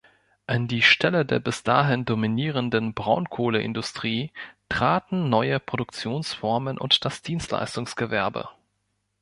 An die Stelle der bis dahin dominierenden Braunkohleindustrie traten neue Produktionsformen und das Dienstleistungsgewerbe.